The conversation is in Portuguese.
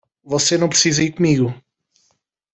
Você não precisa ir comigo.